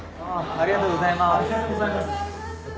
ありがとうございます。